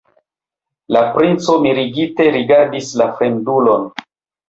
La princo mirigite rigardis la fremdulon.